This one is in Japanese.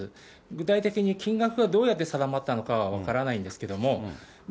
具体的に金額がどうやって定まったのかは分からないんですけれども、